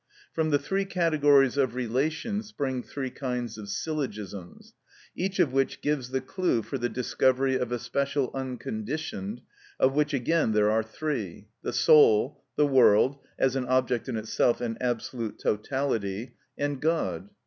From the three categories of relation spring three kinds of syllogisms, each of which gives the clue for the discovery of a special unconditioned, of which again there are three: the soul, the world (as an object in itself and absolute totality), and God.